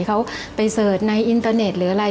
เขาไปเสิร์ชในอินเตอร์เน็ตหรืออะไร